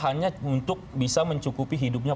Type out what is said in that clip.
hanya untuk bisa mencukupi hidupnya